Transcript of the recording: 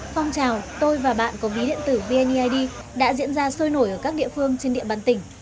phong trào tôi và bạn có ví điện tử vneid đã diễn ra sôi nổi ở các địa phương trên địa bàn tỉnh